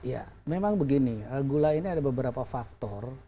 ya memang begini gula ini ada beberapa faktor